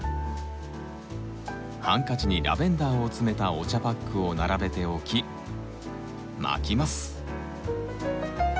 ハンカチにラベンダーを詰めたお茶パックを並べて置き巻きます。